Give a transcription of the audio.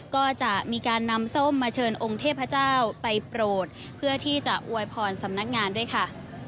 ก็จะมีการนำส้มมาเชิญองค์เทพเจ้าไปโปรดเพื่อที่จะอวยพรสำนักงานด้วยค่ะ